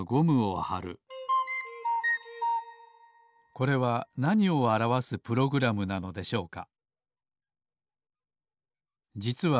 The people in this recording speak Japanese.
これはなにをあらわすプログラムなのでしょうか？